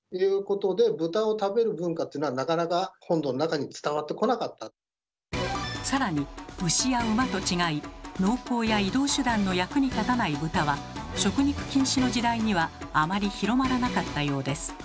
では更に牛や馬と違い農耕や移動手段の役に立たない豚は食肉禁止の時代にはあまり広まらなかったようです。